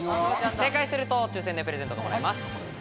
正解すると抽選でプレゼントがもらえます。